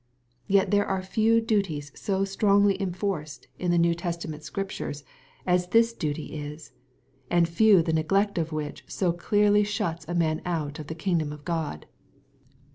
Yet there are few duties so strongly enforced in the New Testament Scrip* 232 EXPOSITORY THOUUHTS. tures as this duty is, and few the neglect of which so clearly shuts a man out of the kingdom of God.